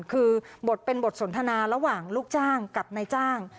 คือบทเป็นบทสนทนาระหว่างลูกจ้างกับนายจ้าง